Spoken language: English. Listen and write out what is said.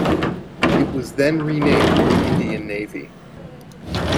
It was then renamed the Indian Navy.